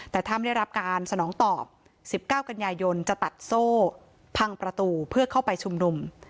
แต่ถ้าไม่ได้รับการสนองตอบ๑๙กันยายนจะตัดโซ่พังประตูเพื่อเข้าไปชุมนุม